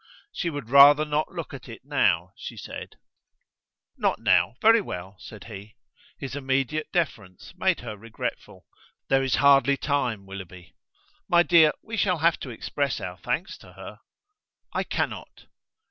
She would rather not look at it now, she said. "Not now; very well," said he. His immediate deference made her regretful. "There is hardly time, Willoughby." "My dear, we shall have to express our thanks to her." "I cannot."